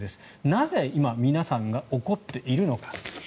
なぜ今皆さんが怒っているのか。